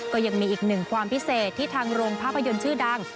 ก็ยังมีอีกหนึ่งความพิเศษที่ทางโรงภาพยนตร์ชื่อดัง